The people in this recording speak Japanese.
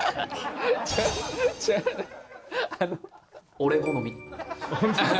俺好み。